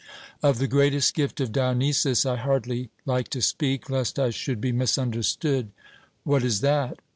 Of the greatest gift of Dionysus I hardly like to speak, lest I should be misunderstood. 'What is that?'